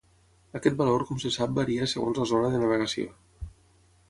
Aquest valor com se sap varia segons la zona de navegació.